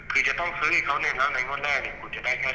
คือจะต้องซื้อให้เขาเนี่ยแล้วในงวดแรกเนี่ยคุณจะได้แค่